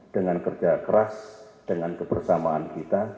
dengan kerja keras dengan kebersamaan kita